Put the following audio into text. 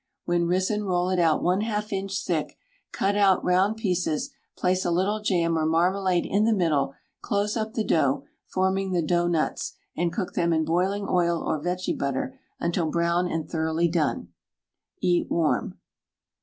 When risen roll it out 1/2 in. thick, cut out round pieces, place a little jam or marmalade in the middle, close up the dough, forming the dough nuts, and cook them in boiling oil or vege butter until brown and thoroughly done. Eat warm.